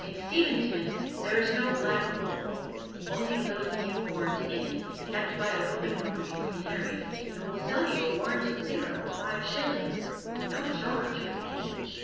In Steventon there is no "Black Bull"; only a little dehorned inn, kept by a woman who breeds canaries, and will sell you a warranted singer for five shillings, with no charge for the cage.